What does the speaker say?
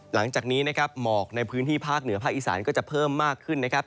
หลังจากนี้นะครับหมอกในพื้นที่ภาคเหนือภาคอีสานก็จะเพิ่มมากขึ้นนะครับ